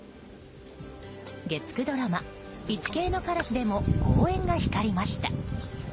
月９ドラマ「イチケイのカラス」でも好演が光りました。